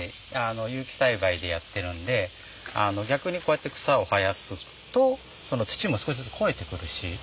有機栽培でやってるんで逆にこうやって草を生やすと土も少しずつ肥えてくるし